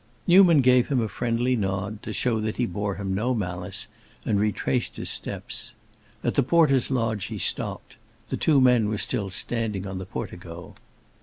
Newman gave him a friendly nod, to show that he bore him no malice, and retraced his steps. At the porter's lodge he stopped; the two men were still standing on the portico.